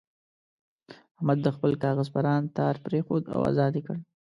احمد د خپل کاغذ پران تار پرېښود او ازاد یې کړ.